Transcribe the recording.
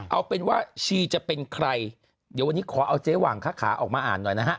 เอาเป็นว่าชีจะเป็นใครเดี๋ยววันนี้ขอเอาเจ๊หว่างค้าขาออกมาอ่านหน่อยนะฮะ